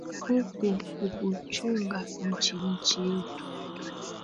ku ku kuchunga nchi nchi yetu